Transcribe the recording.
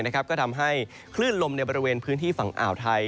ก็ทำให้คลื่นลมในบริเวณพื้นที่ฝั่งอ่าวไทย